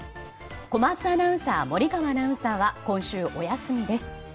小松アナウンサー森川アナウンサーは今週、お休みです。